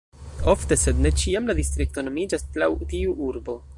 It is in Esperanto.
Ofte, sed ne ĉiam, la distrikto nomiĝas laŭ tiu urbo.